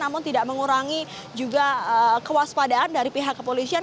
namun tidak mengurangi juga kewaspadaan dari pihak kepolisian